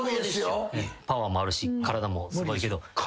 パワーもあるし体もすごいけど。